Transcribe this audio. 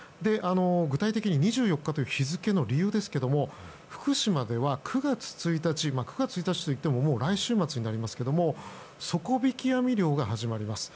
具体的に２４日という日付の理由ですが福島では９月１日９月１日といってももう来週末になりますけれども底引き網漁が始まります。